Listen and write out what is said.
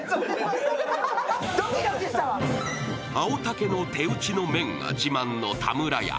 青竹の手打ちの麺が自慢の田村屋。